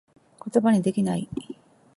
ことばにできなぁい